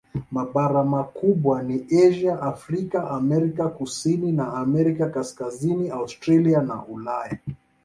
Mabara makubwa ni Asia, Afrika, Amerika Kusini na Amerika Kaskazini, Australia na Ulaya.